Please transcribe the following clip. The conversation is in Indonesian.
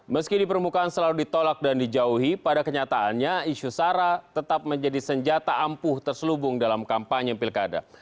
meski di permukaan selalu ditolak dan dijauhi pada kenyataannya isu sara tetap menjadi senjata ampuh terselubung dalam kampanye pilkada